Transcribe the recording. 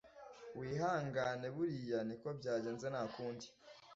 wihangane buriya niko byagenze ntakundi